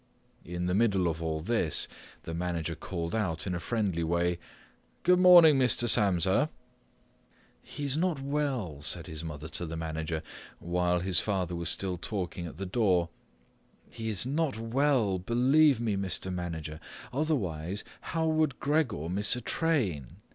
In the middle of all this, the manager called out in a friendly way, "Good morning, Mr. Samsa." "He is not well," said his mother to the manager, while his father was still talking at the door, "He is not well, believe me, Mr. Manager. Otherwise how would Gregor miss a train?